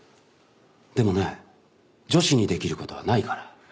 でもね女子にできる事はないから。